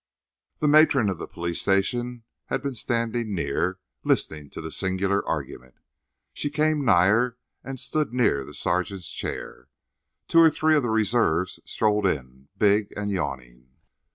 The matron of the police station had been standing near, listening to the singular argument. She came nigher and stood near the sergeant's chair. Two or three of the reserves strolled in, big and yawning.